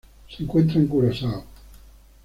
Se encuentra en Curazao.